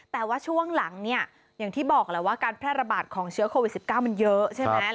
แต่ว่าช่วงหลังเนี่ยอย่างที่บอกแหละว่าการแพร่ระบาดของเชื้อโควิด๑๙มันเยอะใช่ไหม